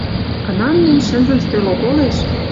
Кынам мӹнь, шӹнзӹн стӧл оголеш